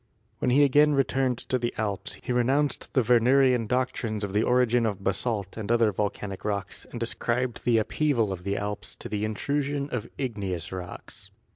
When he again returned to the Alps he re nounced the Wernerian doctrines of the origin of basalt and other volcanic rocks and ascribed the upheaval of the Alps to the intrusion of igneous rocks.